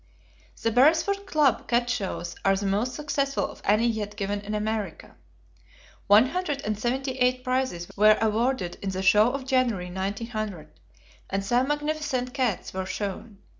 The Beresford Club Cat shows are the most successful of any yet given in America. One hundred and seventy eight prizes were awarded in the show of January, 1900, and some magnificent cats were shown.